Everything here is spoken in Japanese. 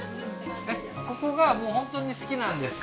ここが本当に好きなんですか？